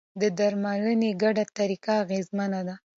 د درملنې ګډه طریقه اغېزمنه ده.